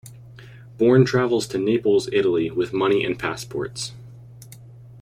Bourne travels to Naples, Italy with money and passports.